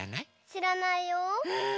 しらないよ。え？